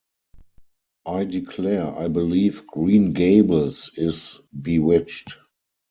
I declare I believe Green Gables is bewitched.